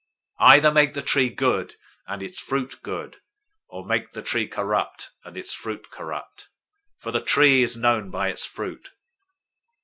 012:033 "Either make the tree good, and its fruit good, or make the tree corrupt, and its fruit corrupt; for the tree is known by its fruit.